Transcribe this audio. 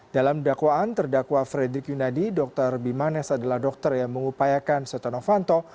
dalam dakwaan terdakwa fredrik yunadi dr bimanes adalah dokter yang mengupayakan setonofanto